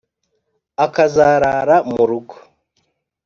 akazarara mu rugo.